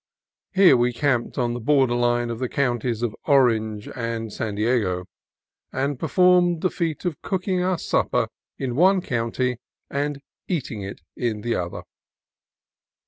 Here we camped on the border line of the counties of Orange and San Diego, and performed the feat of cooking our supper in one county and eating it in the other.